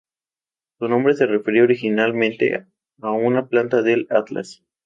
Su nombre se refería originalmente a una planta del Atlas.